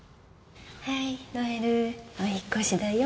はいノエルお引っ越しだよ。